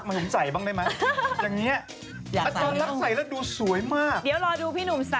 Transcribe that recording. วันนี้ไปก่อนแหละ